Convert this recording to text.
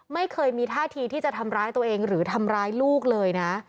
ไม่เคยมีท่าทีที่จะทำร้ายตัวเองหรือทำร้ายลูกเลยนะ